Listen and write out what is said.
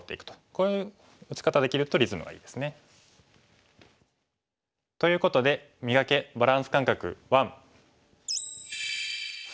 こういう打ち方できるとリズムがいいですね。ということで「磨け！バランス感覚１」。